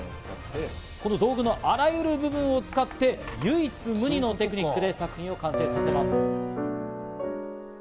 道具のあらゆる部分を使って唯一無二のテクニックで作品を完成させます。